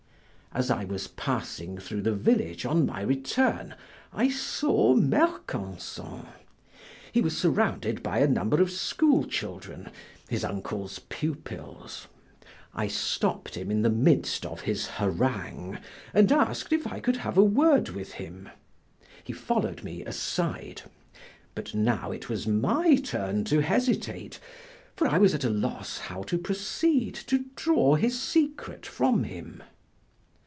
As I was passing through the village on my return, I saw Mercanson; he was surrounded by a number of school children, his uncle's pupils. I stopped him in the midst of his harangue and asked if I could have a word with him. He followed me aside; but now it was my turn to hesitate, for I was at a loss how to proceed to draw his secret from him.